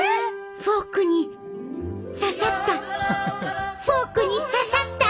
フォークに刺さったフォークに刺さった！